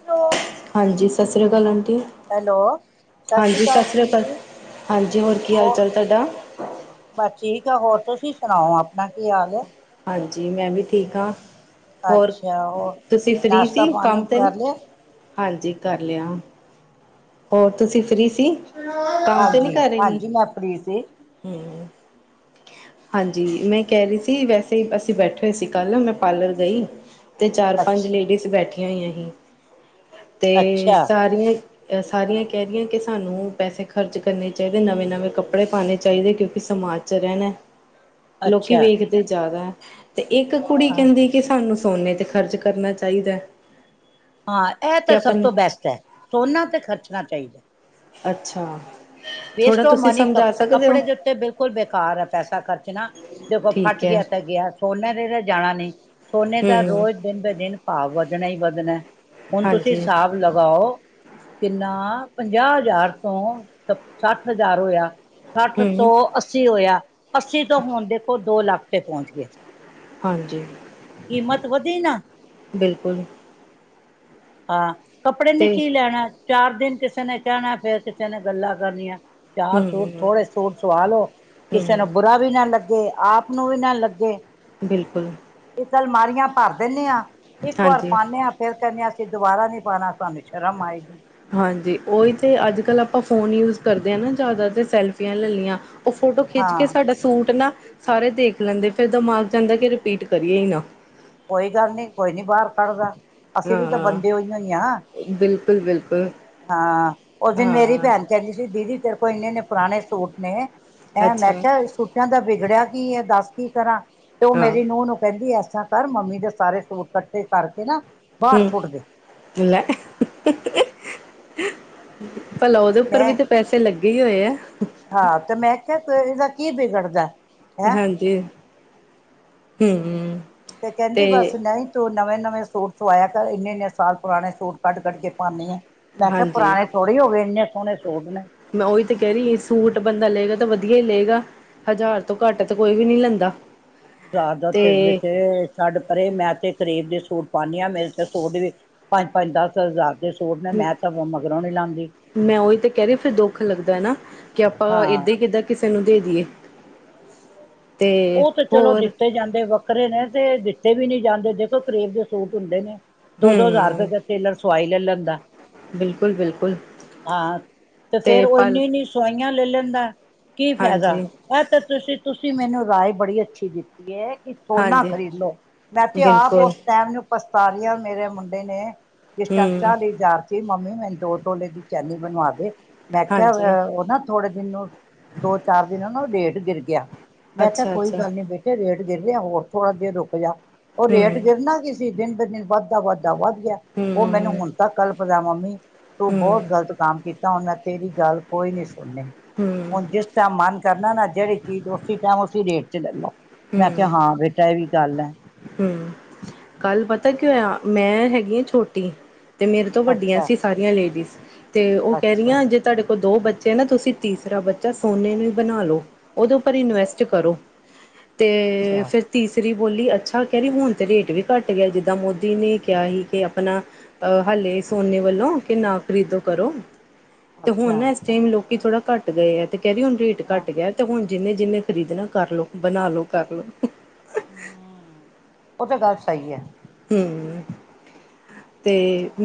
Hello. ਹਾਂਜੀ ਸਤਿ ਸ੍ਰੀ ਅਕਾਲ। ਹੈਲੋ ਸਤਿ ਸ਼੍ਰੀ ਅਕਾਲ ਜੀ, ਹਾਂਜੀ ਕੀ ਹਾਲ ਹੋਰ ਚਾਲ ਤੁਹਾਡਾ ਬਸ ਠੀਕ ਆ, ਹੋਰ ਤੁਸੀ ਤੁਸੀਂ ਸੁਣਾਓ ਆਪਣਾ ਕੀ ਹਾਲ ਹੈ। ਹਾਂਜੀ ਮੈਂ ਵੀ ਠੀਕ ਹਾਂ। ਹੋਰ ਅੱਛਾ ਹੋਰ ਤੁਸੀਂ ਫ੍ਰੀ ਨਾਸ਼ਤਾ ਸੀ, ਪਾਣੀ ਕੰਮ ਤੇ। ਕਰ ਲਿਆ ਹਾਂਜੀ ਕਰ ਲਿਆ, ਹੋਰ ਤੁਸੀਂ ਫ੍ਰਰੀ ਸੀ। ਕੰਮ ਤੇ ਨੀ ਹਾਂਜੀ ਕਰ ਰਹੀ, ਹਾਂਜੀ ਮੈਂ ਫ੍ਰੀ ਸੀ ਹੂੰ ਹਾਂਜੀ ਮੈਂ ਕਹਿ ਰਹੀ ਸੀ ਵੈਸੇ ਅਸੀਂ ਬੈਠੇ ਹੋਏ ਸੀ ਕੱਲ, ਮੈਂ ਪਾਰਲਰ ਗਈ। ਤੇ ਚਾਰ ਪੰਜ ਅੱਛਾ ਲੇਡੀਜ਼ ਬੈਠੀ। [inaudible] ਤੇ ਅੱਛਾ ਸਾਰੀਆਂ। ਸਾਰੀਆਂ ਕਹਿ ਰਹੀਆਂ ਕਿ ਸਾਨੂੰ ਪੈਸੇ ਖਰਚ ਕਰਨੇ ਚਾਹੀਦੇ, ਨਵੇਂ ਨਵੇਂ ਕੱਪੜੇ ਪਾਣੇ ਚਾਹੀਦੇ, ਕਿਉਂਕਿ ਸਮਾਜ ਚ ਰਹਿਣਾ। ਲੋਕੀ ਅੱਛਾ ਵੇਖਦੇ ਜ਼ਿਆਦਾ ਏ। ਤੇ ਇੱਕ ਕੁੜੀ ਹਾਂ ਕਹਿੰਦੀ ਕਿ ਸਾਨੂੰ ਸੋਨੇ ਤੇ ਖਰਚ ਕਰਨਾ ਚਾਹੀਦਾ। ਹਾਂ ਇਹ ਕਿ ਤਾਂ ਆਪਾਂ ਸਭ ਨੇ ਤੋਂ ਬੈਸਟ ਹੈ ਸੋਨਾ ਤੇ ਖਰਚਣਾ ਚਾਹੀਦਾ ਅੱਛਾ ਥੋੜਾ ਵੇਸਟ ਔਫ ਤੁਸੀਂ ਮਨੀ ਕ ਸਮਝਾ ਸਕਦੇ ਹੋ ਕੱਪੜੇ ਦੇ ਉੱਤੇ ਬਿਲਕੁਲ ਬੇਕਾਰ ਹੈ ਪੈਸਾ ਖਰਚਣਾ ਜਦੋਂ ਠੀਕ ਫੱਟ ਹੈ ਗਿਆ ਤਾਂ ਗਿਆ ਸੋਨੇ ਦੇ ਨੇ ਜਾਣਾ ਨਹੀਂ ਸੋਨੇ ਦਾ ਹੂੰ ਰੋਜ਼ ਦਿਨ ਬ ਦਿਨ ਭਾਵ ਵੱਧਣਾ ਹੀ ਵੱਧਣਾ ਹੁਣ ਤੁਸੀਂ ਹਾਂਜੀ ਹਿਸਾਬ ਲਗਾਓ ਕਿੰਨਾ ਪੰਜਾਹ ਹਜ਼ਾਰ ਤੋਂ ਸੱਠ ਹਜ਼ਾਰ ਹੋਇਆ ਸੱਠ ਹੂੰ ਤੋਂ ਅੱਸੀ ਹੋਇਆ ਅੱਸੀ ਤੋਂ ਹੁਣ ਦੇਖੋ ਦੋ ਲੱਖ ਤੇ ਪਹੁੰਚ ਗਏ ਹਾਂਜੀ ਕੀਮਤ ਵਧੀ ਨਾ ਬਿਲਕੁਲ ਹਾਂ ਕੱਪੜੇ ਨੇ ਤੇ ਕੀ ਲੈਣਾ ਚਾਰ ਦਿਨ ਕਿਸੇ ਨੇ ਕਹਿਣਾ ਫੇਿਰ ਕਿਸੇ ਨੇ ਗੱਲਾਂ ਕਰਨੀਆਂ ਚਾਰ ਹੂੰ ਸੂਟ ਥੋੜੇ ਸੂਟ ਸਵਾ ਲੋ ਕਿਸੇ ਨੂੰ ਹੂੰ ਬੁਰਾ ਵੀ ਨਾ ਲੱਗੇ ਆਪ ਨੂੰ ਵੀ ਨਾ ਲੱਗੇ ਬਿਲਕੁਲ ਅਲਮਾਰੀਆਂ ਭਰ ਦਿੰਦੇ ਹਾਂ ਇੱਕ ਵਾਰ ਹਾਂਜੀ ਪਾਉਂਦੇ ਹਾਂ ਫੇਰ ਕਹਨੇ ਹਾ ਦੁਬਾਰਾ ਨੀ ਪਾਉਣਾ ਸਾਨੂੰ ਸ਼ਰਮ ਆਏਗੀ ਹਾਂਜੀ ਉਹੀ ਤੇ ਅੱਜ ਕੱਲ੍ਹ ਆਪਾਂ ਫੋਨ ਯੂਜ ਕਰਦੇ ਹਾਂ ਨਾ ਜ਼ਿਆਦਾ ਤੇ ਸੈਲਫੀਆਂ ਲੈ ਲਈਆਂ ਉਹ ਫੋਟੋ ਖਿੱਚ ਕੇ ਹਾਂ ਸਾਡਾ ਸੂਟ ਨਾ ਸਾਰੇ ਦੇਖ ਲੈਂਦੇ ਫਿਰ ਦਿਮਾਗ ਚ ਆਂਦਾ ਕਿ ਰਿਪੀਟ ਕਰੀਏ ਹੀ ਨਾ ਕੋਈ ਗੱਲ ਨਹੀਂੀ ਕੋਈ ਨੀ ਬਾਹਰ ਕੱਢਦਾ ਅਸੀਂ ਵੀ ਤਾਂ ਹਾਂ ਬੰਦੇ ਹੋਈ ਹੋਈ ਆਂ ਬਿਲਕੁਲ ਬਿਲਕੁਲ ਹਾਂ ਉਸ ਦਿਨ ਮੇਰੀ ਹਾਂ ਭੈਣ ਕਹਿੰਦੀ ਸੀ ਦੀਦੀ ਤੇਰੇ ਕੋਲ ਇੰਨੇ ਇੰਨੇ ਪੁਰਾਣੇ ਸੂਟ ਨੇ ਹੈਂ ਮੈਂ ਅੱਛਾ ਕਿਹਾਛੋਟਿਆਂ ਦਾ ਬਿ ਵਿਗੜਿਆ ਕੀ ਹੈ ਦੱਸ ਕੀ ਕਰਾਂ? ਤੇ ਉਹ ਹਾਂ ਮੇਰੀ ਨੂੰਹ ਨੂੰ ਕਹਿੰਦੀ ਆ ਕਰ ਮੰਮੀ ਦੇ ਸਾਰੇ ਸੂਟ ਇਕੱਠੇ ਕਰਕੇ ਨਾ ਬਾਹਰ ਹਮ ਸੁੱਟ ਦੇ ਲੈ ਭਲਾ ਉਹਦੇ ਉੱਪਰ ਵੀ ਮੈਂ ਤਾਂ ਪੈਸੇ ਲੱਗੇ ਹੀ ਹੋਏ ਆ ਦਾ ਹਾਂਜੀ ਹੂੰ ਤੇ ਕਹਿੰਦੀ ਬਸ ਨਹੀਂ ਤੂੰ ਨਵੇਂ ਨਵੇਂ ਸੂਟ ਸਵਾਇਆ ਇੰਨੇ ਇੰਨੇ ਸਾਲ ਪੁਰਾਣੇ ਸੂਟ ਕੱਢ ਕੱਢ ਕੇ ਪਾਣੀਆਂ ਮੈ ਕਿਹਾ ਹਾਂਜੀ ਪੁਰਾਣੇ ਥੋੜੇ ਹੋ ਗਏ ਇਨੇ ਹੁਣੇ ਮੈਂ ਉਹੀ ਤੇ ਕਹਿ ਰਹੀ ਸੂਟ ਬੰਦਾ ਲਏਗਾ ਤਾਂ ਵਧੀਆ ਹੀ ਲਏਗਾ ਹਜ਼ਾਰ ਤੋਂ ਘੱਟ ਤਾਂ ਕੋਈ ਵੀ ਨਹੀਂ ਲੈਂਦਾ ਬਾਜ਼ਾਰ ਦਾ ਤੇ ਵਿੱਚ ਛੱਡ ਪਰੇ ਮੈਂ ਤੇ ਕਰੀਬ ਦੀ ਸੂਟ ਪਾਉਦੀ ਹਾਂ ਮੇਰੇ ਤੇ ਸੂਟ ਵੀ ਪੰਜ ਪੰਜ ਦਸ ਹਜ਼ਾਰ ਦੇ ਸੂਟ ਨੇ ਮੈਂ ਤਾਂ ਮਗਰੋਂ ਨੀ ਲਾਉਂਦੀ ਮੈਂ ਉਹੀ ਤੇ ਕਹਿ ਰਹੀ ਫਿਰ ਦੁੱਖ ਲੱਗਦਾ ਨਾ ਕਿ ਆਪਾਂ ਹਾਂ ਏਦਾਂ ਕਿੱਦਾਂ ਕਿਸੇ ਨੂੰ ਦੇ ਦੀਏ ਤੇ ਉਹ ਤੇ ਚਲੋ ਹੋਰ ਦਿੱਤੇ ਜਾਂਦੇ ਵੱਖਰੇ ਨੇ ਤੇ ਦਿੱਤੇ ਵੀ ਨਹੀਂ ਜਾਂਦੇ ਦੇਖੋ ਕਰੀਬ ਦੇ ਸੂਟ ਹੁੰਦੇ ਨੇ ਦੋ ਦੋ ਹਜ਼ਾਰ ਹੂੰ ਰੁਪਏ ਟੇਲਰ ਸਵਾਈ ਲੈ ਲੈਂਦਾ ਬਿਲਕੁਲ ਬਿਲਕੁਲ ਹਾਂ ਤੇ ਫੇਰ ਉਹ ਇਨੀ ਇਨੀ ਸਵਾਈ ਲੈ ਲੈਂਦਾ ਕੀ ਫਾਇਦਾ ਹਾਂਜੀ ਆ ਤਾਂ ਤੁਸੀਂ ਤੁਸੀਂ ਮੈਨੂੰ ਰਾਏ ਬੜੀ ਅੱਛੀ ਦਿੱਤੀ ਹੈ ਕਿ ਸੋਨਾ ਹਾਂਜੀ ਖਰੀਦ ਲੋ ਮੈਂ ਤੇ ਆਪ ਬਿਲਕੁਲ ਉਸ ਟਾਈਮ ਨੂੰ ਪਸਤਾਰੀਆਂ ਮੇਰੇ ਮੁੰਡੇ ਨੇ ਜਿਸ ਟਾਈਮ ਹੂੰ, ਚਾਹਲੀ ਹਜਾਰ ਮੰਮੀ ਮੈਨੂੰ ਦੋ ਤੋਲੇ ਦੀ ਚੈਨੀ ਬਣਵਾ ਦੇ ਮੈਂ ਹਾਂਜੀ, ਕਿਹਾ ਉਹ ਨਾ ਥੋੜੇ ਦਿਨ ਨੂੰ ਦੋ ਚਾਰ ਦਿਨ ਉਹ ਨਾ ਰੇਟ ਗਿਰ ਗਿਆ ਮੈਂ ਕਿਹਾ ਕੋਈ ਅੱਛਾ-ਅੱਛਾ, ਗੱਲ ਨੀ ਬੇਟੇ ਰੇਟ ਗਿਰ ਰਿਹਾ ਹੋਰ ਥੋੜ੍ਹਾ ਜਹਾ ਰੁਕ ਜਾ ਉਹ ਰੇਟ ਹੂੰ, ਗਿਰਨਾ ਕਿਸ ਦਿਨ ਬ ਦਿਨ ਵੱਧਤਾ ਵੱਧਦਾ ਵੱਧ ਗਿਆ ਹੂੰ, ਉਹ ਮੈਨੂੰ ਹੁਣ ਤੱਕ ਕੱਲ ਪਤਾਵਾਂ ਹੂੰ, ਤੂੰ ਬਹੁਤ ਹੂੰ, ਗ਼ਲਤ ਕੰਮ ਕੀਤਾ ਤਾਂ ਉਹਨਾਂ ਤੇਰੀ ਗੱਲ ਕੋਈ ਨੀ ਸੁਣਨੀ ਹੁਣ ਹੂੰ, ਜਿਸਦਾ ਮਨ ਕਰਨਾ ਨਾ ਜਿਹੜੀ ਚੀਜ਼ ਉਸ ਉਸੀ ਰੇਟ ਚ ਲੈ ਲੋ ਮੈਂਖਿਆ ਹਾਂ ਬੇਟਾ ਇਹ ਵੀ ਗੱਲ ਹੈ ਹੂੰ, ਕੱਲ ਪਤਾ ਕਿ ਹੋਇਆ ਮੈਂ ਹੈਗੀ ਆ ਛੋਟੀ ਤੇ ਮੇਰੇ ਤੋਂ ਵੱਡੀਆਂ ਅੱਛਾ ਸੀ ਸਾਰੀਆਂ ਲੇਡੀਜ਼ ਤੇ ਉਹ ਕਹਿ ਅੱਛਾ ਰਹੀਆਂ ਜੇ ਤੁਹਾਡੇ ਦੋ ਬੱਚੇ ਨਾ ਤੁਸੀਂ ਤੀਸਰਾ ਬੱਚਾ ਸੋਨੇ ਨੂੰ ਹੀ ਬਣਾ ਲੋ ਉਹਦੇ ਉੱਪਰ ਇਨਵੈਸਟ ਕਰੋ ਅਤੇ ਅੱਛਾ ਫਿਰ ਤੀਸਰੀ ਬੋਲੀ ਅੱਛਾ ਕਹਿ ਰਹੀ ਹੁਣ ਤੇ ਰੇਟ ਵੀ ਘੱਟ ਗਿਆ ਜਿੱਦਾਂ ਮੋਦੀ ਨੇ ਕਿਹਾ ਸੀ ਕਿ ਆਪਣਾ ਹਾਲੇ ਸੋਨੇ ਵੱਲੋਂ ਕਿ ਨਾ ਖਰੀਦੋ ਕਰੋ ਤੇ ਹੁਣ ਅੱਛਾ ਨਾ ਇਸ ਟਾਈਮ ਲੋਕੀ ਥੋੜਾ ਘੱਟ ਗਏ ਹੈ। ਤੇ ਕਹਿਦੀ ਹੁਣ ਰੇਟ ਹਾਂ ਘੱਟ ਗਿਆ ਤੇ ਹੁਣ ਜਿੰਨੇ ਜਿੰਨੇ ਖਰੀਦਣਾ ਕਰ ਲਓ ਬਣਾ ਲਓ ਕਰ ਲਓ ਹ ਉਹ ਤਾਂ ਗੱਲ ਸਹੀ ਹੈ। ਹੰਮ ਤੇ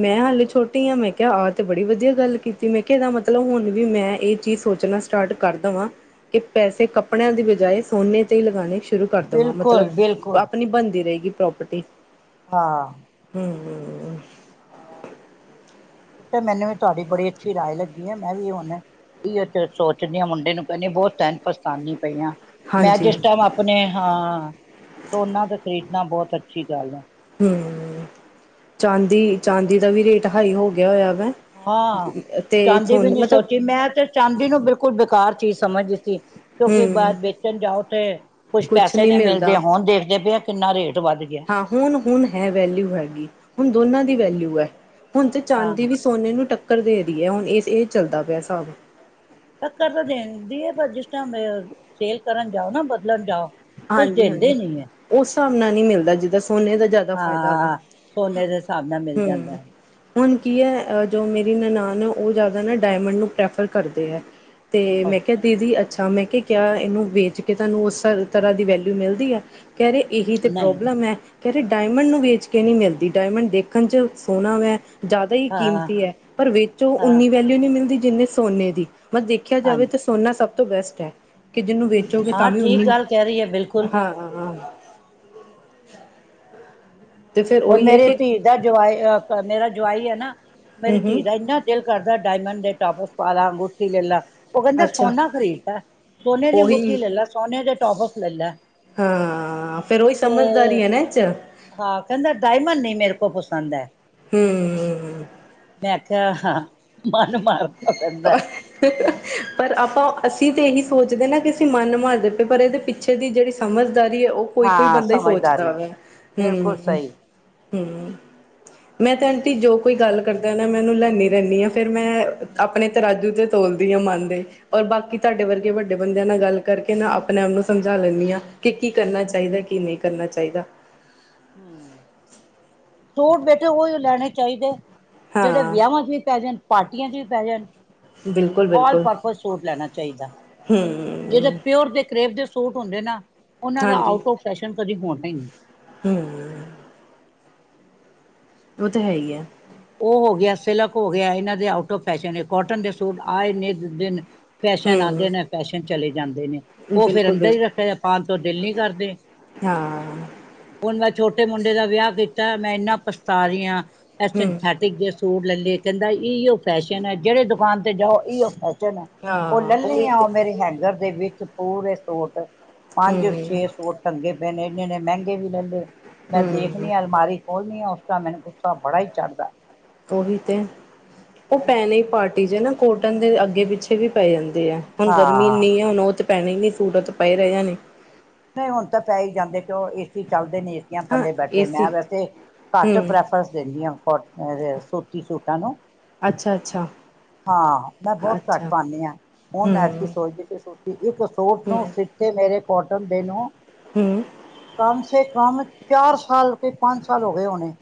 ਮੈਂ ਹਾਲੇ ਛੋਟੀ ਆ ਮੈਂ ਕਿਹਾ ਆਹ ਤੇ ਬੜੀ ਵਧੀਆ ਗੱਲ ਕੀਤੀ ਮੈਂ ਕਿਹਾ ਇਹਦਾ ਮਤਲਬ ਹੁਣ ਵੀ ਮੈਂ ਇਹ ਚੀਜ਼ ਸੋਚਣਾ ਸਟਾਰਟ ਕਰਦਾਵਾਂ ਕਿ ਪੈਸੇ ਕੱਪੜਿਆਂ ਦੀ ਬਜਾਏ ਸੋਨੇ ਤੇ ਲਗਾਣੇ ਸ਼ੁਰੂ ਕਰ ਦੇਵਾਂ ਬਿਲਕੁਲ ਮਤਲਬ ਬਿਲਕੁਲ ਆਪਣੀ ਬਣਦੀ ਰਹੇਗੀ ਪ੍ਰੋਪਰਟੀ ਹਾਂ ਹੰਮ ਹ ਇਹ ਤਾਂ ਮੈਨੂੰ ਵੀ ਤੁਹਾਡੀ ਬੜੀ ਅੱਛੀ ਰਾਏ ਲੱਗੀ ਹੈ ਮੈਂ ਵੀ ਹੁਣ ਸੋਚਦੀ ਹਾਂ ਮੁੰਡੇ ਨੂੰ ਕਹਿੰਦੀ ਬਹੁਤ ਟਾਈਮ ਪਛਤਾਨੀ ਪਈ ਹਾਂ ਮੈਂ ਹਾਂਜੀ ਜਿਸ ਟਾਈਮ ਆਪਣੇ ਹਾਂ ਸੋਨਾ ਤੇ ਖਰੀਦ ਨਾ ਬਹੁਤ ਅੱਛੀ ਗੱਲ ਹੈ। ਹੰਮ ਚਾਂਦੀ- ਚਾਂਦੀ ਦਾ ਵੀ ਰੇਟ ਹਾਈ ਹੋ ਗਿਆ ਹੋਇਆ ਵੈ ਹਾਂ ਤੇ ਚਾਂਦੀ ਵੀ ਸੋਨ ਨੀ ਮਤਲਬ ਸੋਚੀ ਮੈਂ ਤੇ ਚਾਂਦੀ ਨੂੰ ਬਿਲਕੁਲ ਬੇਕਾਰ ਚੀਜ਼ ਸਮਝ ਦੀ ਸੀ ਕਿਉਂਕਿ ਹੂੰ ਬਾਰ ਵੇਚਣ ਜਾਓ ਤੇ ਕੁਛ ਪੈਸੇ ਨਹੀਂ ਮਿਲਦੇ ਹੁਣ ਦੇਖਦੇ ਪਏ ਕਿੰਨਾ ਰੇਟ ਵੱਧ ਗਿਆ ਹਾਂ ਹੁਣ- ਹੁਣ ਹੈ ਵੈਲਿਊ ਹੈਗੀ ਹੁਣ ਦੋਨਾਂ ਦੀ ਵੈਲਿਊ ਹੈ। ਹੁਣ ਤੇ ਚਾਂਦੀ ਹਾਂ ਵੀ ਸੋਨੇ ਨੂੰ ਟੱਕਕਰ ਕਰ ਦੇ ਰ ਹੈ ਹੁਣ ਇਹ ਇਹ ਚੱਲਦਾ ਪਿਆ ਹਿਸਾਬ ਟੱਕਰ ਤਾਂ ਦਿੰਦੀ ਹੈ ਪਰ ਜਿਸ ਟਾਈਮ ਸੇਲ ਕਰਨ ਜਾਓ ਨਾ ਬਦਲਣ ਜਾਓ ਕੁਛ ਹਾਂਜੀ ਹਾਂਜੀ ਦਿੰਦੇ ਨੀ ਹੈ ਉਸ ਹਿਸਾਬ ਨਾਲ ਨਹੀਂ ਮਿਲਦਾ ਜਿੱਦਾਂ ਸੋਨੇ ਦਾ ਜ਼ਿਆਦਾ ਫਾਇਦਾ ਵਾ ਹਾਂ ਸੋਨੇ ਦੇ ਹਿਸਾਬ ਨਾਲ ਮਿਲ ਜਾਂਦਾ ਹੂੰ ਹੈ। ਹੁਣ ਕੀ ਹੈ ਜੋ ਮੇਰੀ ਨਨਾਣ ਹੈ ਉਹ ਜ਼ਿਆਦਾ ਨਾ ਡਾਇਮੰਡ ਨੂੰ ਪ੍ਰੈਫਰ ਕਰਦੇ ਹੈ ਅਤੇ ਮੈਂ ਕਿਹਾ ਅੱਛਾ। ਦੀਦੀ ਅੱਛਾ ਮੈਂ ਕਿਹਾ ਕਿਆ ਇਹਨੂੰ ਵੇਚ ਕੇ ਤੁਹਾਨੂੰ ਉਸ ਤਰ੍ਹਾਂ ਦੀ ਵੈਲਿਊ ਮਿਲਦੀ ਆ ਕਹਿ ਰਹੇ ਇਹੀ ਤਾਂ ਨਹੀਂ ਪ੍ਰੋਬਲਮ ਹੈ ਕਹਿ ਰਹੇ ਡਾਇਮੰਡ ਨੂੰ ਵੇਚ ਕੇ ਨਹੀਂ ਮਿਲਦੀ ਡਾਇਮੰਡ ਦੇਖਣ ਚ ਸੋਹਣਾ ਵੇ ਜ਼ਿਆਦਾ ਹੀ ਹਾਂ ਕੀਮਤੀ ਹੈ ਪਰ ਵਿੱਚੋ ਹਾਂ ਉਨੀ ਵੈਲਿਊ ਨਹੀਂ ਮਿਲਦੀ ਜਿੰਨੀ ਸੋਨੇ ਦੀ ਪਰ ਦੇਖਿਆ ਜਾਵੇ ਹਾਂਜੀ ਤਾਂ ਸੋਨਾ ਸਭ ਤੋਂ ਬੈਸਟ ਹੈ ਕਿ ਜਿਹਨੂੰ ਵੇਚੋਗੇ ਤਾਂ ਹਾਂ ਵੀ ਠੀਕ ਉਹਨੀ ਗੱਲ ਕਹਿ ਰਹੀ ਹੈ ਬਿਲਕੁਲ ਹਾਂ ਹਾਂ [unintelligible] ਤੇ ਫਿਰ ਹੁਣ ਉਹੀ ਹੈ ਮੇਰੀ ਕਿ ਧੀ ਦਾ ਜਵਾਈ ਮੇਰਾ ਜਵਾਈ ਹੈ ਨਾ ਮੇਰੀ ਧੀ ਹੂੰ-ਹੂੰ ਦਾ ਇੰਨਾ ਦਿਲ ਕਰਦਾ ਡਾਇਮੰਡ ਦੇ ਟੋਪਸ ਪਾ ਲਾ ਅਗੂਠੀ ਲੈ ਲਾ ਉਹ ਕਹਿੰਦਾ ਅੱਛਾ ਸੋਨਾ ਖਰੀਦਾ ਸੋਨੇ ਦੀ ਉਹੀ ਅੰਗੂਠੀ ਲੈ ਲਾ ਸੋਨੇ ਦੇ ਟੋਫਸ ਲੈ ਲਾ ਹਾਂ ਫੇਰ ਉਹੀ ਤੇ ਸਮਝਦਾਰੀ ਆ ਨਾ ਇਸ ਚ ਹਾਂ ਕਹਿੰਦਾ ਡਾਇਮੰਡ ਨੀ ਮੇਰੇ ਕੋ ਪਸੰਦ ਹੈ ਹੂੰ ਮੈਂ ਕਿਹਾ ਹਾਂ ਮਨ ਮਾਰਨਾ ਪੈਂਦਾ ਪਰ ਆਪਾਂ ਅਸੀਂ ਤੇ ਇਹੀ ਸੋਚਦੇ ਨਾ ਕਿ ਅਸੀਂ ਮਨ ਮਾਰਦੇ ਪਏ ਪਰ ਇਹਦੇ ਪਿੱਛੇ ਦੀ ਜਿਹੜੀ ਸਮਝ ਦਾਰੀ ਉਹ ਕੋਈ ਕੋਈ ਹਾਂ ਬੰਦਾ ਹੀ ਸੋਚਦਾ ਸਮਝਦਾਰੀ ਵਾ ਬਿਲਕੁਲ ਹੂੰ ਸਹੀ ਹੂੰ ਮੈਂ ਤੇ ਆਂਟੀ ਜੋ ਕੋਈ ਗੱਲ ਕਰਦਾ ਨਾ ਮੈਂ ਉਹਨੂੰ ਲਿਆਉਦੀ ਰਹਿੰਦੀ ਹਾਂ ਫੇਰ ਮੈਂ ਆਪਣੇ ਤਰਾਜੂ ਤੇ ਤੋਲਦੀ ਆ ਮਨ ਦੇ ਔਰ ਬਾਕੀ ਤੁਹਾਡੇ ਵਰਗੇ ਵੱਡੇ ਬੰਦਿਆਂ ਨਾਲ ਗੱਲ ਕਰਕੇ ਨਾ ਆਪਣੇ ਆਪ ਨੂੰ ਸਮਝਾ ਲੈਣੀ ਹਾਂ ਕਿ ਕੀ ਕਰਨਾ ਚਾਹੀਦਾ ਕੀ ਨਹੀਂ ਕਰਨਾ ਚਾਹੀਦਾ ਹੂੰ [unintelligible] ਬੈਠੇ ਉਹੀ ਲੈਣੇ ਚਾਹੀਦੇ ਜਿਹੜੇ ਹਾਂ ਵਿਆਹਾਂ ਵਾ ਚ ਵੀ ਪੈ ਜਾਣ ਪਾਰਟੀਆਂ ਚ ਵੀ ਪੈ ਜਾਣ ਬਿਲਕੁਲ ਆਲ ਬਿਲਕੁਲ ਪਰਪਜ਼ ਸੂਟ ਲੈਣਾ ਚਾਹੀਦਾ ਜਿਹੜੇ ਹੂੰ ਪਿਓਰ ਦੇ ਕਰੇਬ ਦੇ ਸੂ ਸੂਟ ਹੁੰਦੇ ਨਾ ਉਹਨਾਂ ਦਾ ਹਾਂਜੀ ਆਊਟ ਔਫ ਫੈਸ਼ਨ ਕਦੀ ਕੋਟਨ ਤ ਹੂੰ। ਉਹ ਤਾਂ ਹੈ ਹੀ ਐ। ਉਹ ਹੋ ਗਿਆ ਸਿਲਕ ਹੋ ਗਿਆ ਇਹਨਾਂ ਦੇ ਆਊਟ ਔਫ ਫੈਸ਼ਨ ਕੋਟਨ ਦੇ ਸੂਟ ਆਏ ਨੇ ਦਿਨ ਫੈਸ਼ਨ ਆਂਦੇ ਨੇ ਹੂੰ ਫੈਸ਼ਨ ਚਲੇ ਜਾਂਦੇ ਨੇ ਉਹ ਫਿਰ ਬਿਲਕੁਲ ਅੰਦਰ ਹੀ ਬਿਲਕੁਲ ਰੱਖਿਆ ਪਾ ਤੋ ਦਿਲ ਨੀ ਕਰਦੇ ਹਾਂ। ਹੁਣ ਮੈਂ ਛੋਟੇ ਮੁੰਡੇ ਦਾ ਵਿਆਹ ਕੀਤਾ, ਮੈਂ ਇੰਨਾ ਪਛਤਾ ਰਹੀ ਹਾਂ। ਇਹ ਹੂੰ। ਸਿੰਥੈਟਿਕ ਜੇ ਸੂਟ ਲੈ ਲੇ ਤੀ ਕਹਿੰਦਾ ਇਹੀਓ ਫੈਸ਼ਨ ਐ ਜਿਹੜੇ ਦੁਕਾਨ ਤੇ ਜਾਓ ਇਹੀਓ ਫੈਸ਼ ਨ ਹਾਂ ਉਹ ਲੈੇ ਉਹੀ ਲਏ ਆ ਤੇ ਉਹ ਮੇਰੇ ਹੈਂਗਰ ਦੇ ਵਿੱਚ ਵਿੱਚ ਪੂਰੇ ਸੂਟ ਪੰਜ ਹੂੰ ਛੇ ਫੁੱਟ ਅੱਗੇ ਬਨ ਇੰਨੇ- ਇੰਨੇ ਮਹਿੰਗੇ ਵੀ ਲੈਂਦੇ ਮੈਂ ਹੂੰ ਦੇਖਣੀ ਆ ਅਲਮਾਰੀ ਬੋਲ ਨਹੀਂ ਹੋਤਾ, ਮੈਨੂੰ ਗੁੱਸਾ ਬੜਾ ਹੀ ਚੜ੍ਹਦਾ ਉਹੀ ਤੇ ਉਹ ਪੈਣੇ ਹੀ ਪਾਰਟੀ ਚ ਨਾ, ਕੋਟਨ ਦੇ ਅੱਗੇ ਪਿੱਛੇ ਵੀ ਪੈ ਜਾਂਦੇ ਐ ਹੁਣ ਗਰਮੀ ਹਾਂ ਇੰਨੀ ਆ ਹੁਣ ਉਹ ਤੇ ਪੈਣੀ ਨਹੀਂ ਸੂਟ ਤਾਂ ਪਏ ਰਹੇ ਨੇ ਨਹੀਂ ਹੁਣ ਤਾਂ ਪੈ ਹੀ ਜਾਂਦੇ ਕਿਉਂ ਏਸੀ ਚੱਲ ਦੇ ਨੇ ਏਸੀਆਂ ਹਾਂ ਥੱਲੇ ਬੈਠੇ ਏਸੀ ਮੈਂ ਵੈਸੇ ਘੱਟ ਹੂੰ ਪ੍ਰੈਫਰੰਸ ਦਿੰਦੀ ਹਾਂ ਕੋਟਨ ਦੇ ਸੂਤੀ ਸੂਟਾਂ ਨੂੰ ਅੱਛਾ, ਅੱਛਾ। ਹਾਂ ਮੈਂ ਬਹੁਤ ਘੱਟ ਅੱਛਾ ਪਾਂਦੀ ਆਂ, ਹੁਣ ਐਤਕੀ ਹੂੰ ਸੋਚਦੇ ਸੀ ਸੂਟ ਇੱਕ ਸੋਟ ਹੂੰ ਨੂੰ ਸਿੱਟੇ ਮੇਰੇ ਕੋਟਨ ਦੇ ਨਾ ਹੂੰ ਕਮ ਸੇ ਕਮ ਚਾਰ ਸਾਲ ਕੋਈ ਪੰਜ ਸਾਲ ਹੋ ਗਏ ਹੋਣੇ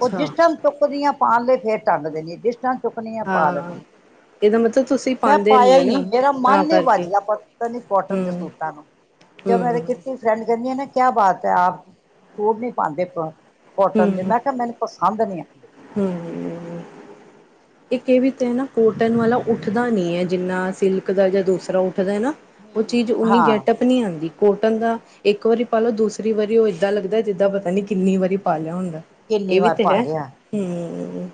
ਉਹ ਜਿਸ ਟਾਈਮ ਚੁੱਕਦੀਆਂ। ਪਾ ਲਈ ਫੇਰ ਟੰਗ ਦੇਣੀ, ਜਿਸ ਤਰ੍ਹਾਂ ਚੁੱਕਣੀ ਆ ਪਾ ਹਾਂ ਲੈਣੀ, ਇਹਦਾ ਮਤਲਬ ਤੁਸੀਂ ਮੈਂ ਪਾਉਂਦੇ ਨੀ ਪਾਇਆ ਹੋ ਹੀ ਨਾ ਨਹੀਂ ਮੇਰਾ ਤਾਂ ਮਨ ਨੀ ਕਰਕੇ ਵੱਜਦਾ, ਪਤਾ ਨੀ ਕੋਟਨ ਹੂੰ ਦੇ ਸੂਟਾਂ ਨੂੰ, ਜਦੋ ਮੈਂ ਤੇ ਹੂੰ ਕਿੱਟੀ ਫਰੈਂਡ ਜਾਂਦੀ ਆਂ ਨਾ ਕਿਆ ਬਾਤ ਹੈ, ਆਪ ਸੂਟ ਨਹੀਂ ਪਾਂਦੇ ਕੋਟਨ ਦੇ ਹੂੰ ਮੈਂ ਕਿਹਾ ਮੈਨੂੰ ਪਸੰਦ ਨਹੀਂ ਆ ਹੂੰ ਇੱਕ ਇਹ ਵੀ ਤੇ ਹੈ ਨਾ ਕੋਟਨ ਵਾਲਾ ਉੱਠਦਾ ਨੀ ਐ, ਜਿੰਨਾ ਸਿਲਕ ਦਾ ਜਾਂ ਦੂਸਰਾ ਉੱਠ ਠਦਾ ਨਾ ਉਹ ਚੀਜ਼ ਉਨੀ ਹਾਂ ਗੈਟਅਪ ਨਹੀਂ ਆਉਂਦੀ। ਕੋਟਨ ਦਾ ਇੱਕ ਵਾਰੀ ਪਾ ਲਉ, ਦੂਸਰੀ ਵਾਰੀ ਉਹ ਏਦਾਂ ਲੱਗਦਾ ਜਿੱਦਾਂ ਪਤਾ ਨੀ ਕਿੰਨੀ ਵਾਰੀ ਪਾ ਲਿਆ ਹੁੰਦਾ। ਕਿੰਨੇ ਇਹ ਵੀ ਵਾਰ ਤੇ ਪਾ ਹੈ ਲਿਆ। ਹੂੰ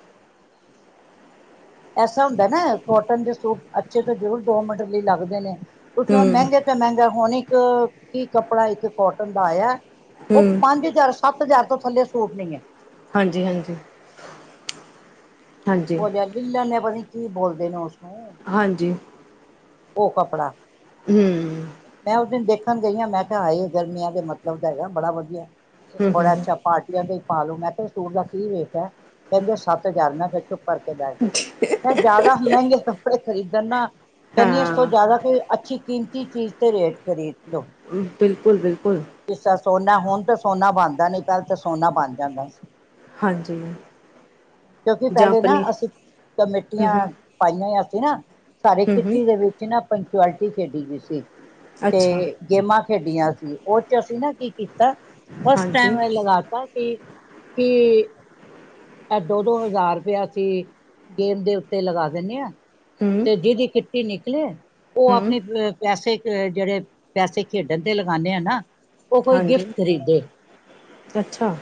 ਐਸਾ ਹੁੰਦਾ ਨਾ, ਕੋਟਨ ਦੇ ਸੂਟ ਅੱਛੇ ਤੇ ਜ਼ਰੂਰ ਦੋ ਮਿੰਟ ਲਈ ਲੱਗਦੇ ਨੇ। ਤੁਸੀਂ ਹੁਣ ਹੂੰ ਮਹਿੰਗੇ ਤਾਂ ਮਹਿੰਗਾ ਹੋਣੇ ਇੱਕ ਕੀ ਕੱਪੜਾ ਇੱਕ ਕੋਟਨ ਦਾ ਆਇਆ। ਉਹ ਹੂੰ ਪੰਜ ਹਜ਼ਾਰ ਸੱਤ ਹਜ਼ਾਰ ਤੋਂ ਥੱਲੇ ਸੂਟ ਨਹੀਂ ਹੈ। ਹਾਂਜੀ ਹਾਂਜੀ। ਕੀ ਹਾਂਜੀ ਬੋਲਿਆ ਲੀਲਣ ਨੇ ਪਤਾ ਕੀ ਬੋਲਦੇ ਨੇ ਉਸ ਹਾਂਜੀ ਉਹ ਕੱਪੜਾ ਹੂੰ। ਵੇਖਣ ਗਈ ਆਂ ਮੈਂ ਕਿਹਾ, ਹਾਏ ਗਰਮੀਆਂ ਦੇ ਮਤਲਬ ਦਾ ਹੈਗਾ ਬੜਾ ਵਧੀਆ ਹੂੰ ਹੂੰ ਬੜਾ ਹੂੰ ਅੱਛਾ ਪਾਰਟੀਆਂ ਦੇ ਪਾਲੋ ਮੈਂ ਕਿਹਾ ਸੂਟ ਦਾ ਕੀ ਰੇਟ ਹੈ, ਕਹਿੰਦੇ ਸੱਤ ਹਜ਼ਾਰ ਮੈਂ ਫੇਰ ਚੁੱਪ ਕਰ ਕੇ ਬਹਿ ਗਈ, ਮੈਂ ਜ਼ਿਆਦਾ ਮਹਿੰਗੇ ਕੱਪੜੇ ਖਰੀਦਣ ਨਾਲ ਕਹਿੰਦੀ ਇਸ ਤੋਂ ਹਾਂ ਜ਼ਿਆਦਾ ਕੋਈ ਅੱਛੀ ਕੀਮਤ ਤੀ ਚੀਜ਼ ਤੇ ਰੇਟ ਕਰੀ ਬਿਲਕੁਲ, ਬਿਲਕੁਲ। ਤਰ੍ਹਾਂ ਸੋਨਾ ਹੁਣ ਤਾਂ ਸੋਨਾ ਬਣਦਾ ਨੀ, ਪਹਿਲਾ ਤਾਂ ਸੋਨਾ ਬਣ ਜਾਂਦਾ ਸੀ। ਹਾਂਜੀ ਕਿਉਂਕਿ ਜਾਂ ਪਹਿਲੇ ਨਾ ਆਪਣੀ ਅਸੀਂ ਹੂੰ ਕਮੇਟੀਆਂ ਹੂੰ ਪਾਈਆਂ ਆ। ਤੇ ਨਾ ਸਾਰੇ ਹੂੰ ਹੂੰ ਦੇ ਵਿੱਚ ਨਾ ਪੰਚੁਆਲਿਟੀ ਖੇਡੀ ਗਈ ਸੀ। ਤੇ ਅੱਛਾ ਗੇਮਾਂ ਖੇਡੀਆਂ ਸੀ, ਉਹ ਚ ਅਸੀਂ ਨਾ ਕੀ ਕੀਤਾ ਫ ਫਸਟ ਹਾਂਜੀ ਟਾਈਮ ਮੈਂ ਲਗਾਤਾ ਕੀ ਕਿ ਐ ਦੋ-ਦੋ ਹਜ਼ਾਰ ਰੁਪਇਆ ਅਸੀਂ ਗੇਮ ਦੇ ਉੱਤੇ ਲਗਾ ਦਨੇ ਆ ਹੂੰ ਤੇ ਜਿਹਦੀ ਕਿੱਟੀ ਤੇ ਨਿਕਲੇ ਓ ਹੂੰ ਆਪਣੀ ਪਅ ਪੈਸੇ ਅ ਜਿਹੜੇ ਪੈਸੇ ਖੇਡਣ ਤੇ ਲਗਾਨੇ ਆ ਨਾ ਓ ਕੋਈ ਹਾਂਜੀ ਗਿਫਟ ਖਰੀਦੇ ਅੱਛਾ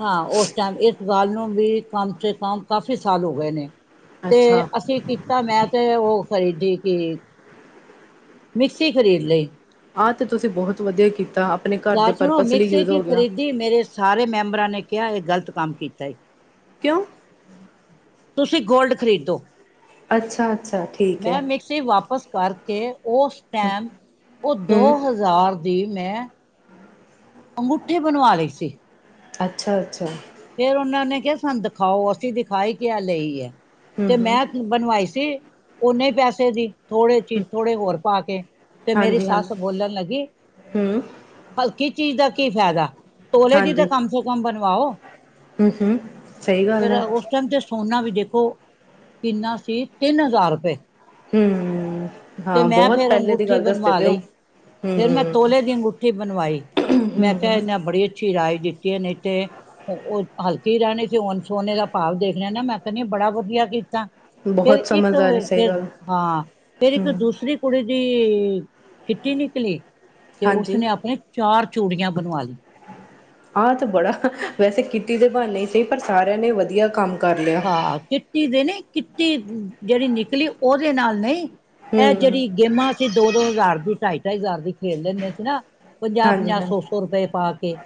ਹਾਂ ਓਸ ਟੈਮ ਇਸ ਕੱਲ ਨੂੰ ਵੀ ਕੰਮ ਚ ਕੰਮ ਕਾਫੀ ਸਾਲ ਹੋ ਗਏ ਨੇ। ਤੇ ਅੱਛਾ ਅਸੀਂ ਕੀਤਾ ਮੈਂ ਤੇ ਉਹ ਖਰੀਦੀ ਕਿ ਮਿਕਸੀ ਖਰੀਦ ਲਈ। ਆਹ ਤੇ ਤੁਸੀਂ ਬਹੁਤ ਵਧੀਆ ਕੀਤਾ ਆਪਣੇ ਘਰ ਦੇ ਗੱਲ ਸੁਣੋ ਪਰਪਸ ਲਈ ਮਿਕਸੀ ਯੂਜ ਹੋ ਕਿਊ ਗਿਆ ਖਰੀਦੀ ਮੇਰੇ ਸਾਰੇ ਮੈਂਬਰਾਂ ਨੇ ਕਿਹਾ ਇਹ ਗਲਤ ਕੰਮ ਕੀਤਾ ਏ ਕਿਉਂ? ਤੁਸੀਂ ਗੋਲਡ ਖਰੀਦੋ। ਅੱਛਾ ਅੱਛਾ ਠੀਕ ਹੈ ਮੈਂ ਮਿਕਸੀ ਵਾਪਿਸ ਕਰਕੇ ਓਸ ਹੂੰ ਟਾਈਮ ਓ ਦੋ ਹੂੰ, ਹਜ਼ਾਰ ਦੀ ਮੈਂ ਅੰਗੂਠੀ ਬਣਵਾ ਲਈ ਸੀ। ਅੱਛਾ-ਅੱਛਾ ਫੇਰ ਉਹਨਾਂ ਨੇ ਕਿਹਾ ਸਾਨੂੰ ਦਿਖਾਓ ਅਸੀਂ ਦਿਖਾਾਈ ਕਿ ਆ ਲਈ ਐ ਤੇ ਹੂੰ ਮੈਂ ਬਣਵਾਈ ਸੀ ਓਨੇ ਪੈਸੇ ਦੀ ਥੋੜੇ ਚੀਜ਼ ਹੂੰ, ਥੋੜੇ ਹੋਰ ਪਾ ਕੇ ਤੇ ਮੇਰੀ ਹਾਂਜੀ ਹਾਂ ਸੱਸ ਬੋਲਣ ਲੱਗੀ ਹੂੰ ਹਲਕੀ ਚੀਜ਼ ਦਾ ਕੀ ਫੈਦਾ ਤੋਲੇ ਦੀ ਹਾਂਜੀ ਤਾਂ ਕਮ ਸ ਕਮ ਬਣਵਾਓ। ਹੂੰ ਹੂੰ ਸਹੀ ਗਲ ਫੇਰ ਐ ਉਸ ਟਾਈਮ ਤੇ ਸੋਨਾ ਵੀ ਦੇਖੋ ਕਿੰਨਾ ਸੀ ਤਿੰਨ ਹਜ਼ਾਰ ਰੁਪਏ। ਹੂੰ ਤੇ ਹਾਂ ਮੈਂ ਬਹੁਤ ਫੇਰ ਪਹਿਲੇ ਦੀ ਅੰਗੂਠੀ ਗੱਲ ਦੱਸਦੇ ਬਣਵਾ ਪਏ ਹੋ ਲਈ ਹੂੰ ਫੇਰ ਮੈਂ ਤੋਲੇ ਦੀ ਅੰਗੂਠੀ ਬਣਵਾਈ ਮੈਂ ਹੂੰ, ਕਿਹਾ ਇਹਨਾਂ ਬੜੀ ਅੱਛੀ ਦੀ ਰਾਏ ਦਿੱਤੀ ਨਈ ਤੇ ਓ ਓ ਹਲਕੀ ਰਹਿਣੀ ਸੀ ਹੁਣ ਸੋਨੇ ਦਾ ਭਾਵ ਦੇਖਲਿਆ ਨਾ ਮੈਂ ਕਹਿੰਨੀ ਆ ਬੜਾ ਵਧੀਆ ਕੀਤਾ। ਫਿਰ ਬਹੁਤ ਇੱਕ ਸਮਝਦਾਰੀ ਸਹੀ ਫਿਰ ਗੱਲ ਹਾਂ ਫਿਰ ਹੂੰ ਇੱਕ ਦੂਸਰੀ ਕੁੜੀ ਦੀ ਕਿਟੀ ਨਿਕਲੀ। ਤੇ ਹਾਂਜੀ ਉਸਨੇ ਆਪਣੇ ਚਾਰ ਚੂੜੀਆਂ ਬਣਵਾ ਲਈ ਆਹ ਤੇ ਬੜਾ ਵੈਸੇ ਕੀਟਿ ਦੇ ਬਹਾਨੇ ਸਹੀ ਪਰ ਸਾਰਿਆਂ ਨੇ ਵਧੀਆ ਕੰਮ ਕਰ ਲਿਆ ਹਾਂ ਕਿਟੀ ਦੇ ਨੇ ਕਿਟੀ ਜਿਹੜੀ ਨਿਕਲੀ ਉਹਦੇ ਨਾਲ ਨਈ ਐ ਹੂੰ, ਜਿਹੜੀ ਗੇਮਾਂ ਅਸੀ ਦੋ-ਦੋ ਹਜ਼ਾਰ ਦੀ ਢਾਈ ਹਜ਼ਾਰ ਦੀ ਖੇਲ ਲੈਂਦੇ ਸੀ ਨਾ ਪੰਜਾਹ ਹਾਂਜੀ ਪੰਜਾਹ ਸੋ ਹਾਂਜੀ, ਸੌ ਰੁਪਏ ਪਾ ਕੇ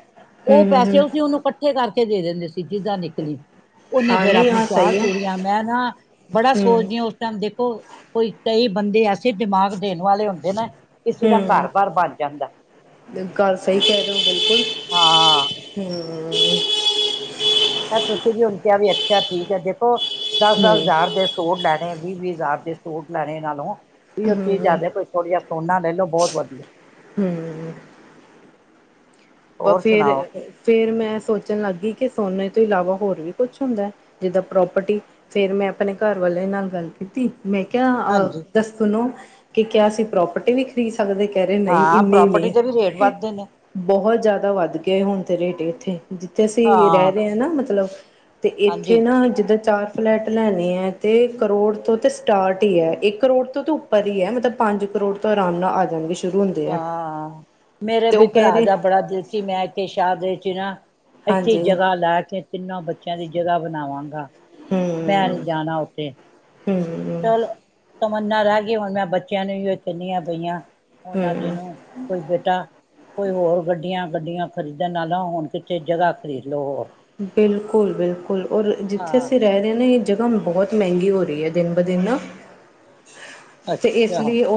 ਹੂੰ ਉਹ ਹੂੰ ਪੈਸੇ ਅਂ ਹੂੰ, ਉਹਨੂੰ ਇਕੱਠੇ ਕਰਕੇ ਦੇ ਦਿੰਦੇ ਸੀ ਜਿੱਦਾਂ ਨਿਕਲੀ ਉਹਨੇ ਹਾਂ ਫਿਰ ਨਹੀਂ ਆਪਣੀ ਹਾਂ ਚਾਰ ਸਹੀ ਹੈ। ਚੂੜੀਆਂ ਮੈਂ ਨਾ ਬੜਾ ਹੂੰ ਸੋਚਦੀ ਹਾਂ ਉਸ ਟਾਈਮ ਦੇਖੋ ਕੋਈ ਕਈ ਬੰਦੇ ਐਸੇ ਦਿਮਾਗ ਦੇਣ ਵਾਲੇ ਹੁੰਦੇ ਨਾ ਹੂੰ ਗੱਲ ਸਹੀ ਕਹਿ ਰਹੇ ਹੋ ਹਾਂ ਬਿਲਕੁਲ ਹੂੰ ਹੂੰ ਇਹ ਤੁਸੀਂ ਵੀ ਹੁਣ ਕਿਹਾ ਵੀ ਅੱਛਾ ਠੀਕ ਹੈ ਦੇਖੋ ਦਸ ਦਸ ਹੂੰ ਹਜ਼ਾਰ ਦੇ ਸੂਟ ਲੈਣੇ ਵੀਹ ਵੀਹ ਹਜ਼ਾਰ ਦੇ ਸੂਟ ਲੈਣੇ ਨਾਲੋਂ ਵੀ ਉੱਥੇ ਹੂੰ ਜ਼ਿਆਦਾ ਕੋਈ ਥੋੜ੍ਹਾ ਜਿਹਾ ਸੋਨਾ ਲੈ ਲੋ ਬਹੁਤ ਵਧੀਆ ਹੋਰ ਫਿਰ ਸੁਣਾਓ ਫਿਰ ਮੈਂ ਸੋਚਣ ਲੱਗ ਗਈ ਕਿ ਸੋਨੇ ਤੋਂ ਇਲਾਵਾ ਹੋਰ ਵੀ ਕੁਛ ਹੁੰਦਾ ਜਿੱਦਾਂ ਪ੍ਰੋਪਰਟੀ ਫਿਰ ਮੈਂ ਆਪਣੇ ਘਰ ਵਾਲੇ ਨਾਲ ਗੱਲ ਕੀਤੀ ਮੈਂ ਕਿਹਾਿਆ ਅ ਹਾਂਜੀ ਦੱਸਣੋ ਕਿ ਕਿਆ ਸੀ ਪ੍ਰੋਪਰਟੀ ਵੀ ਖਰੀਦ ਸਕਦੇ ਕਹਿ ਰਹੇ ਨਹੀਂ ਹਾਂ ਇੰਨੇ ਪ੍ਰੋਪਰਟੀ ਦੇ ਵੀ ਰੇਟ ਨੇ ਵੱਧਦੇ ਨੇ ਬਹੁਤ ਜ਼ਿਆਦਾ ਵੱਧ ਗਿਆ ਹੁਣ ਤੇ ਰੇਟ ਇੱਥੇ ਜਿੱਥੇ ਅਸੀਂ ਰਹਿ ਰਹੇ ਹਾਂ ਨਾ ਮਤਲਬ ਤੇ ਹਾਂਜੀ ਇੱਥੇ ਨਾ ਜਿੱਦਾਂ ਚਾਰ ਫਲੈਟ ਲੈਣੇ ਹੈ ਅਤੇ ਕਰੋੜ ਤੋਂ ਤਾਂ ਸਟਾਰਟ ਹੀ ਹੈ ਇੱਕ ਕਰੋੜ ਤੋਂ ਤਾਂ ਉੱਪਰ ਹੀ ਹੈ ਮਤਲਬ ਪੰਜ ਕਰੋੜ ਤੋਂ ਆਰਾਮ ਨਾਲ ਆ ਜਾਣਗੇ ਸ਼ੁਰੂ ਹੁੰਦੇ ਆ ਹਾਂ ਮੇਰੇ ਤੇ ਵੀ ਉਹ ਕਹਿ ਭਰਾ ਰਹੇ ਜਾ ਬੜਾ ਮੈਂ ਕੇ ਸ਼ਾਹ ਦੇ ਚ ਨਾ ਇੱਥੇ ਹਾਂਜੀ ਜਗ੍ਹਾ ਲੈ ਕੇ ਤਿੰਨਾਂ ਬੱਚ ਬੱਚਿਆਂ ਦੀ ਜਗ੍ਹਾ ਬਣਾਵਾਂਗਾ ਮੈਂ ਨਹੀਂ ਜਾਣਾ ਉੱਥੇ ਹੂੰ ਚਲੋ ਤਮੰਨਾ ਰਹਿ ਗਈ ਹੁਣ ਮੈਂ ਬੱਚਿਆਂ ਨੂੰ ਹੀ ਉਹ ਕਹਿੰਦੀ ਆ ਪਈਆਂ ਉਹਨਾਂ ਦੇ ਹਮ ਨੂੰ ਕੋਈ ਬੇਟਾ ਕੋਈ ਹੋਰ ਗੱਡੀਆਂ ਗੱਡੀਆਂ ਖਰੀਦਣ ਨਾਲਾ ਹੁਣ ਕਿਥੇ ਜਗ੍ਹਾ ਖਰੀਦ ਲੋੋ ਹੋਰ ਬਿਲਕੁਲ ਬਿਲਕੁਲ ਔਰ ਜਿੱਥੇ ਹਾਂ ਅਸੀਂ ਰਹਿ ਰਹੇ ਹਾਂ ਨਾ ਜਗ੍ਹਾ ਬਹੁਤ ਮਹਿੰਗੀ ਹੋ ਰਹੀ ਹੈ ਦਿਨ ਬ ਦਿਨ ਨਾ ਤੇ, ਇਸ ਅੱਛਾ ਲਈ ਉਹ